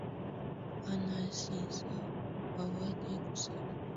wanasiasa hawakueshimia sheria yassin